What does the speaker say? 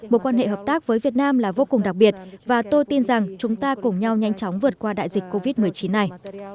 một quan hệ hợp tác với việt nam là vô cùng đặc biệt và tôi tin rằng chúng ta cùng nhau nhanh chóng vượt qua đại dịch covid một mươi chín này